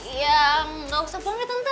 iya ga usah pulang ya tante